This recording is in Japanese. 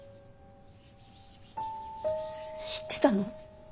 知ってたの？